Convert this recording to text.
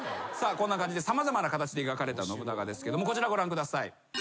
こんな感じで様々な形で描かれた信長ですけどもこちらご覧ください。